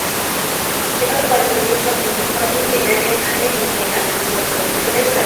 Jacob alimuuliza kwanini aende alipomuelekeza